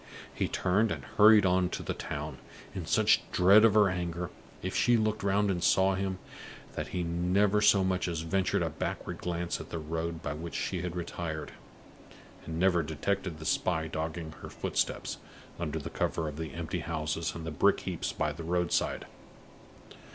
He turned, and hurried on to the town in such dread of her anger, if she looked round and saw him, that he never so much as ventured on a backward glance at the road by which she had retired, and never detected the spy dogging her footsteps, under cover of the empty houses and the brick heaps by the roadside.